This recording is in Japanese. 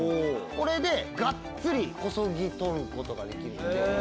これでがっつりこそぎ取ることができるので。